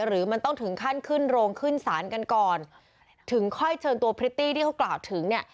หรือมันต้องถึงขั้นขึ้นโรงขึ้นศาลกันก่อนถึงค่อยเชิญตัวพริตตี้ที่เขากล่าวถึงเนี่ย